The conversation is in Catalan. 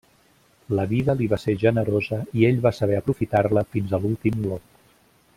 La vida li va ser generosa i ell va saber aprofitar-la fins a l'últim glop.